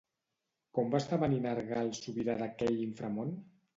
Com va esdevenir Nergal sobirà d'aquell inframon?